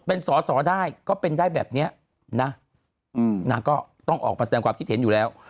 เป็นสอสอได้ก็เป็นได้แบบนี้นะนางก็ต้องออกมาแสดงความคิดเห็นอยู่แล้ว